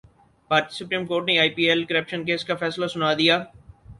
بھارتی supreme court نے I P L corruption case کا فیصلہ سنادیا